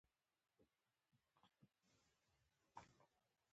یا بهتر ووایو پر افغانستان باندې دوهم ظالمانه یرغل.